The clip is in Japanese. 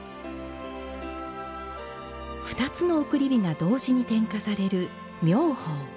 ２つの送り火が同時に点火される「妙法」。